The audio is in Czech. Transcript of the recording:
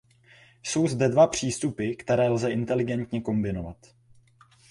Jsou zde dva přístupy, které lze inteligentně kombinovat.